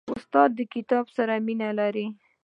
استاد د کتاب سره مینه لري.